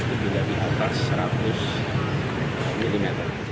itu adalah hujan yang mencapai dua ratus dua puluh delapan mm